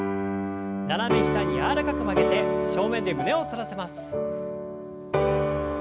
斜め下に柔らかく曲げて正面で胸を反らせます。